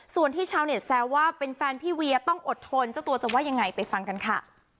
ส่วนที่ชาวเน็ตแซวว่าเป็นแฟนพี่เวียต้องอดทนเจ้าตัวจะว่ายังไงไปฟังกันค่ะ